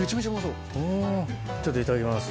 うんちょっといただきます。